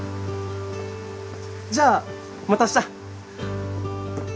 じゃあまた明日！